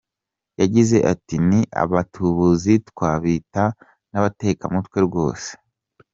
Yagize ati “Ni abatubuzi twabita n’abatekamutwe rwose.